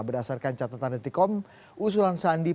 berdasarkan catatan dtkom usulan sandi